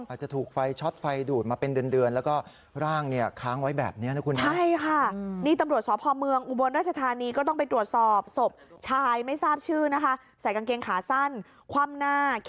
อาจจะถูกไฟช็อตไฟดูดมาเป็นเดือนเดือน